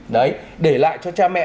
đấy để lại cho cha mẹ